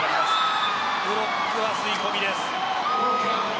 ブロック、吸い込みです。